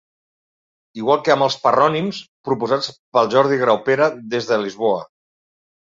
Igual que amb els “parrònims” proposats pel Jordi Graupera des de Lisboa.